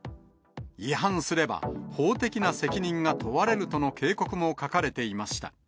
違反すれば、法的な責任が問われるとの警告も書かれていました。